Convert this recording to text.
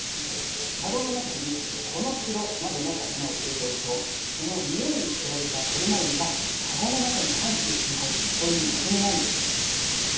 かごの中にコノシロなどの魚を入れておくとそのにおいにつられたクルマエビがかごの中に入ってしまうという仕組みなんです。